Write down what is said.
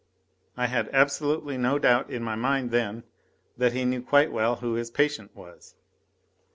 I had absolutely no doubt in my mind then that he knew quite well who his patient was.